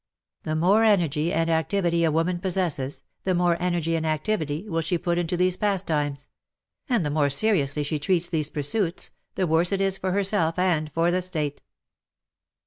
The more energy and WAR AND WOMEN 215 activity a woman possesses, the more energy and activity will she put into these pastimes ; and the more seriously she treats these pursuits, the worse it is for herself and for the State.